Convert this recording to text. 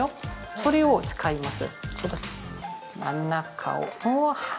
それを使います。